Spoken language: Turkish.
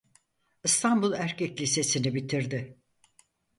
İstanbul Erkek Lisesini bitirdi.